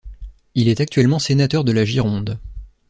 Il est actuellement sénateur de la Gironde.